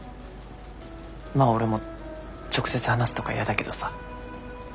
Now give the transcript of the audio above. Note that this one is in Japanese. まあ俺も直接話すとか嫌だけどさ。